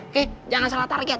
oke jangan salah target